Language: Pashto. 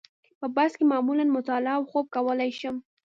په بس کې معمولاً مطالعه او خوب کولای شم.